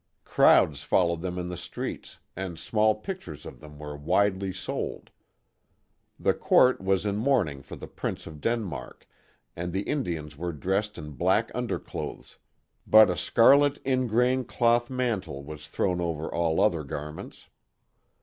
Crowds followed them in the streets, and small pictures of them were widely sold.*' The court was in mourning for the Prince of Denmark, and the Indians were dressed in black underclothes, but a scarlet ingrain cloth mantle was thrown over all other garments.